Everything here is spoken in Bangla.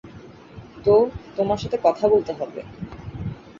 তো, তোমার সাথে কথা বলতে হবে।